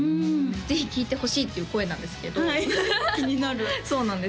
ぜひ聞いてほしいっていう声なんですけど気になるそうなんです